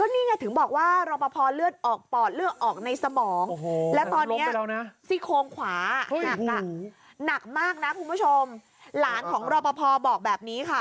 นี่ไงถึงบอกว่ารอบพอพย์เลือดออกปอด